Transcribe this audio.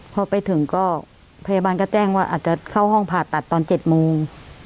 พอไปถึงก็พยาบาลก็แจ้งว่าอาจจะเข้าห้องผ่าตัดตอน๗โมง